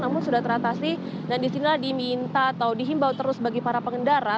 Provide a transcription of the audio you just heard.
namun sudah teratasi dan disinilah diminta atau dihimbau terus bagi para pengendara